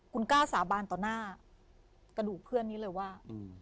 คุณกล้าสาบานต่อหน้ากระดูกเพื่อนนี้เลยว่า